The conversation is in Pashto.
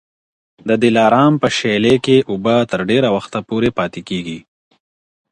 د دلارام په شېلې کي اوبه تر ډېره وخته پورې پاتې کېږي.